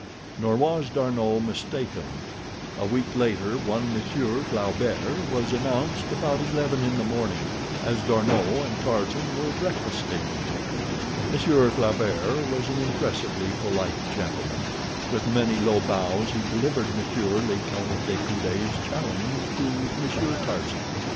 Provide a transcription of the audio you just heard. Nor was D'Arnot mistaken. A week later on Monsieur Flaubert was announced about eleven in the morning, as D'Arnot and Tarzan were breakfasting. Monsieur Flaubert was an impressively polite gentleman. With many low bows he delivered Monsieur le Count de Coude's challenge to Monsieur Tarzan.